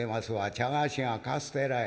茶菓子がカステラや。